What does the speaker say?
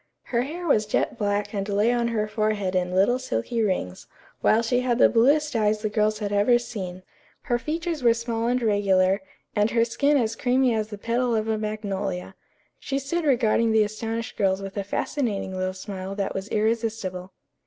Her hair was jet black and lay on her forehead in little silky rings, while she had the bluest eyes the girls had ever seen. Her features were small and regular, and her skin as creamy as the petal of a magnolia. She stood regarding the astonished girls with a fascinating little smile that was irresistible.